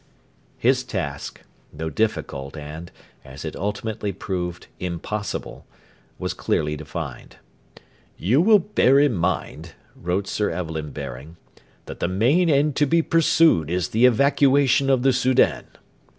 His task, though difficult and, as it ultimately proved, impossible, was clearly defined. 'You will bear in mind,' wrote Sir Evelyn Baring, 'that the main end to be pursued is the evacuation of the Soudan.'